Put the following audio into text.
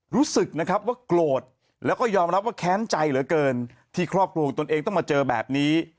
รู้สึกนะครับว่าโกรธแล้วก็ยอมรับว่าแค้นใจเหลือเกินที่ครอบครัวตนเองต้องมาเจอแบบนี้